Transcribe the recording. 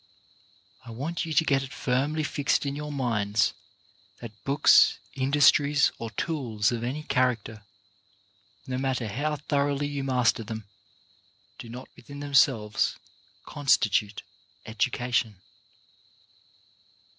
I want you to get it firmly fixed in your minds that books, industries, or tools of any character, no matter how thoroughly you master them, do not within themselves constitute education.